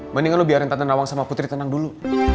mendingan lu biarin tante nawang sama putri tenang dulu